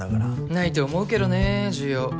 ないと思うけどね需要。